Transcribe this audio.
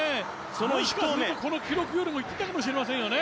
もしかするとこの記録よりいってたかもしれないですよね。